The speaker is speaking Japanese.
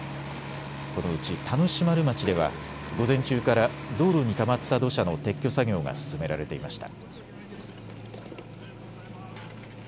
このうち田主丸町では午前中から道路にたまった土砂の撤去作業が進められていました。